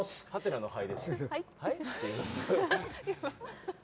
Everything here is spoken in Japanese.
はい。